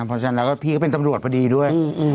เพราะฉะนั้นแล้วก็พี่ก็เป็นตำรวจพอดีด้วย